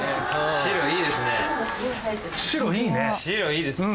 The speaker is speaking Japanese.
白いいです。